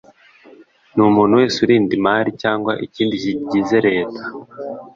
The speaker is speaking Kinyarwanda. ni umuntu wese urinda imari cyangwa ikindi kigize leta